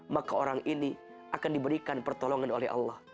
maka orang ini akan diberikan pertolongan oleh allah